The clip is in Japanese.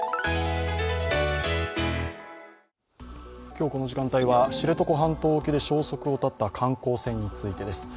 今日この時間帯は、知床半島沖で消息を絶った観光船についてです。